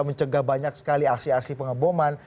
mencegah banyak sekali aksi aksi pengeboman